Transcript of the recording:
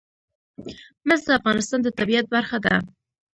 مس د افغانستان د طبیعت برخه ده.